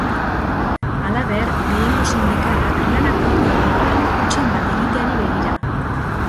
Halaber, gehiengo sindikalak lan akordioa lortu du, kutxen bat egiteari begira.